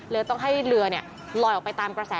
เลยต้องให้เรือลอยออกไปตามกระแสน้ำ